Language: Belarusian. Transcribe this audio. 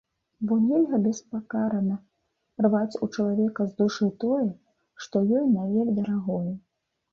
Бо нельга беспакарана рваць у чалавека з душы тое, што ёй навек дарагое.